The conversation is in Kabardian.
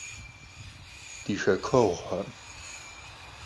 Di xek'ueğuxe!